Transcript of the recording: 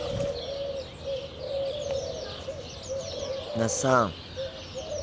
那須さん。